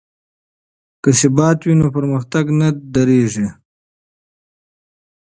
که ثبات وي نو پرمختګ نه دریږي.